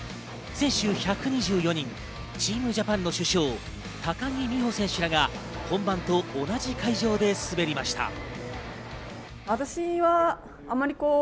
選手１２４人、チームジャパンの主将・高木美帆選手らが本番と同じ会場で滑りました。